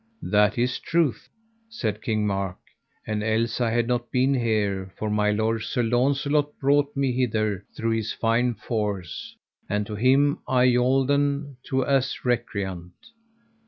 That is truth, said King Mark, and else I had not been here, for my lord, Sir Launcelot, brought me hither through his fine force, and to him am I yolden to as recreant.